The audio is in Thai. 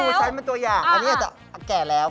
ใครดูว่าฉันเป็นตัวอย่างอันนี้อาจจะแก่แล้ว